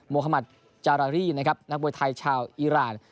มหมาตร์จารารีนะครับนักมวยไทยชาวอิราณ